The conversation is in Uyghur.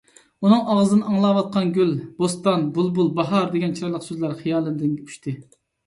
ئۇنىڭ ئاغزىدىن ئاڭلاۋاتقان گۈل، بوستان، بۇلبۇل، باھار دېگەن چىرايلىق سۆزلەر خىيالىمدىن ئۇچتى.